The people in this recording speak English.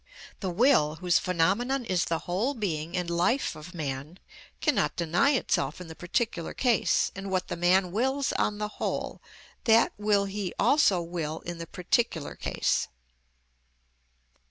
The will, whose phenomenon is the whole being and life of man, cannot deny itself in the particular case, and what the man wills on the whole, that will he also will in the particular case.